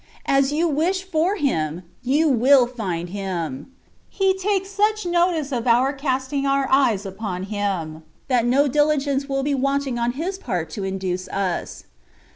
As you wish for Him, you will find Him. He takes such notice of our casting our eyes upon Him, that no diligence will be wanting on His part to induce us.